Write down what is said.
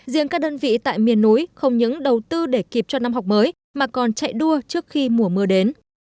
riêng các đơn vị tại miền núi không những đầu tư để kịp cho năm học mới mà còn chạy đua trước khi mùa mưa đến